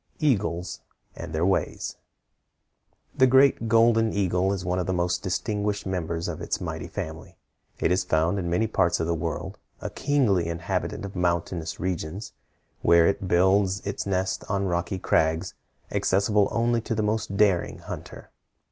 EAGLES AND THEIR WAYS. The great golden eagle is one of the most distinguished members of its mighty family. It is found in many parts of the world, a kingly inhabitant of mountainous regions, where it builds its nest on rocky crags accessible only to the most daring hunter.